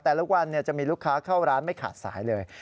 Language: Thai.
แต่ละวันจะมีลูกค้าเข้าร้านไม่ขาดสายเลย